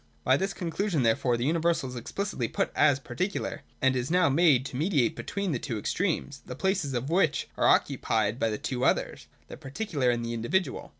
By this con clusion therefore the universal is explicitly put as particular — and is now made to mediate between the two extremes, the places of which are occupied by the two others (the particular and the individual).